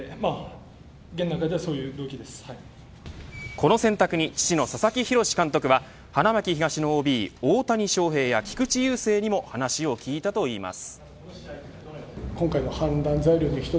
この選択に父の佐々木博監督は花巻東のＯＢ大谷翔平や菊池雄星にも話を聞いたといいます。